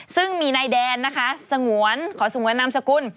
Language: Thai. ซึ่งมีนายแดนนะคะสงวนขอสงวนนามสกุล